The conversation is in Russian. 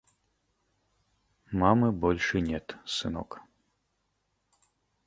Мамы больше нет, сынок.